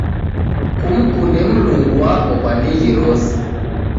Kumkunde Mlungu wako kwa dighi rose.